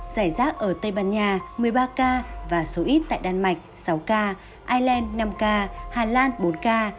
giải rác ở tây ban nha một mươi ba ca và số ít tại đan mạch sáu ca ireland năm ca hà lan bốn ca